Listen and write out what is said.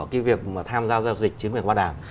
cái việc mà tham giao giao dịch chứng quyền có bảo đảm